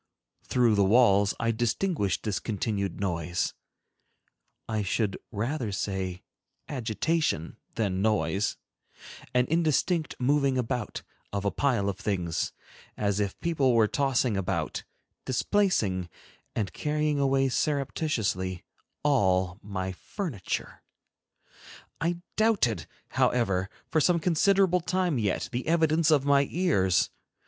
Through the walls I distinguished this continued noise,—I should rather say agitation than noise,—an indistinct moving about of a pile of things, as if people were tossing about, displacing, and carrying away surreptitiously all my furniture. I doubted, however, for some considerable time yet, the evidence of my ears.